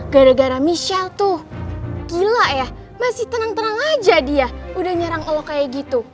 gara gara michelle tuh gila ya masih tenang tenang aja dia udah nyerang allah kayak gitu